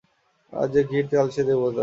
আজ যে কীট, কাল সে দেবতা।